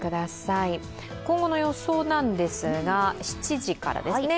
今後の予想なんですが、７時からですね。